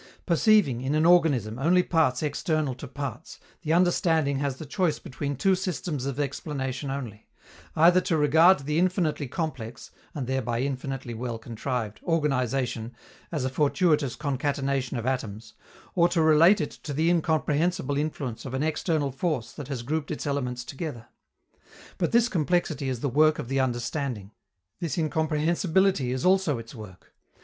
Perceiving, in an organism, only parts external to parts, the understanding has the choice between two systems of explanation only: either to regard the infinitely complex (and thereby infinitely well contrived) organization as a fortuitous concatenation of atoms, or to relate it to the incomprehensible influence of an external force that has grouped its elements together. But this complexity is the work of the understanding; this incomprehensibility is also its work.